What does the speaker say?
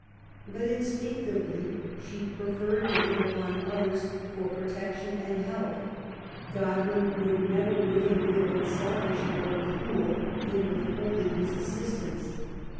But instinctively she preferred to lean upon others for protection and help. Godwin would never wittingly have been selfish or cruel in withholding his assistance.